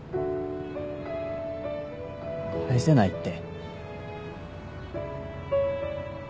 返せないって。